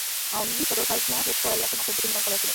আমিই সদরখাজনা লুট করাইয়া তোমার সম্পত্তি নিলাম করাইয়াছিলাম।